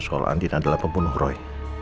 sekolah andin adalah pembunuh roy